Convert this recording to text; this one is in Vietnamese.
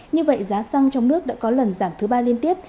như vậy giá xăng trong nước đã có lần giảm thứ ba liên tiếp